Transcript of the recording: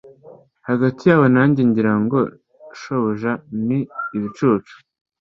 Hagati yawe nanjye, ngira ngo shobuja ni ibicucu.